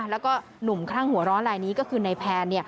แล้วก็หนุ่มครั่งหัวเราะลายนี้ก็คือในแพลน